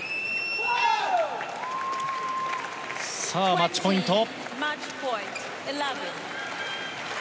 マッチポイント。